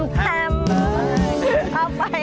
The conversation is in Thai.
เผ้าไปอาจารย์